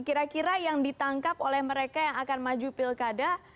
jadi ini apa kira kira yang ditangkap oleh mereka yang akan maju pilkada